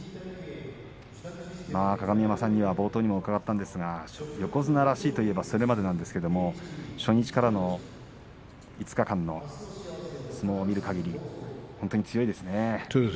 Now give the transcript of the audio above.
鏡山さんには冒頭にも伺ったんですが横綱らしいと言えば、それまでなんですが初日からの５日間の相撲を見るかぎり本当に強いですね。